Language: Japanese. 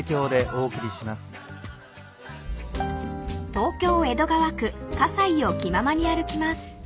［東京江戸川区葛西を気ままに歩きます］